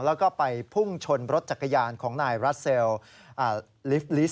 แล้วก็ไปพุ่งชนรถจักรยานของนายรัสเซลลิฟต์ลิสต